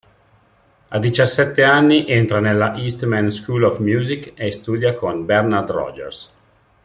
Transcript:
A diciassette anni entra nella Eastman School of Music e studia con Bernard Rogers.